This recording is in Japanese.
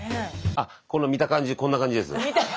あっこの見た感じこんな感じです。